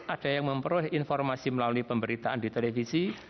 ada yang memperoleh informasi melalui pemberitaan di televisi